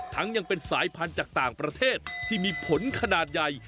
ยังเป็นสายพันธุ์จากต่างประเทศที่มีผลขนาดใหญ่